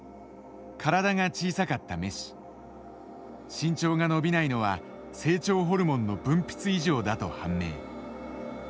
身長が伸びないのは成長ホルモンの分泌異常だと判明。